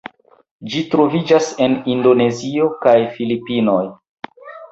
Ĝi troviĝas en Indonezio kaj Filipinoj.